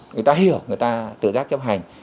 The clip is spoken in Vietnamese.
người ta hiểu người ta tự giác chấp hành